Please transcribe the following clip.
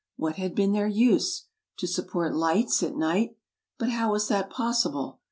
What had been their use ? To sup port lights at night ? But how was that possible ?